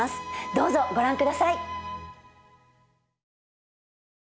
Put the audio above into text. どうぞご覧ください！